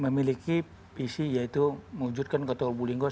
sebagai kota industri perdagangan yang unggul dan menjadi role model masyarakat medaani